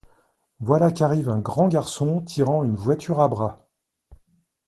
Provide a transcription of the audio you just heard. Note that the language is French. Voilà qu’arrive un grand garçon, tirant une voiture à bras.